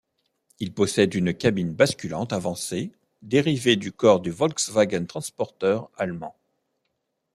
Il possède une cabine basculante avancée dérivée du corps du Volkswagen Transporter allemand.